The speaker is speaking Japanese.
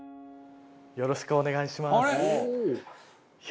よろしくお願いします。